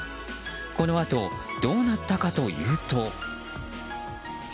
このあとどうなったかというと。